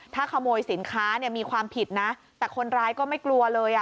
ถ้าขโมยสินค้าเนี่ยมีความผิดนะแต่คนร้ายก็ไม่กลัวเลยอ่ะ